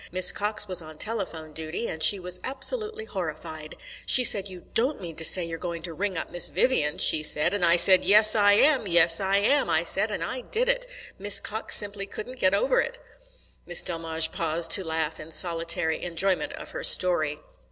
Miss Cox was on telephone duty, and she was absolutely horrified. She said, 'You don't mean to say you're going to ring up Miss Vivian,' she said; and I said, 'Yes, I am. Yes, I am,' I said, and I did it. Miss Cox simply couldn't get over it." Miss Delmege paused to laugh in solitary enjoyment of her story.